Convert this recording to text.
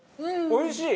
おいしい！